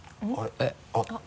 えっ？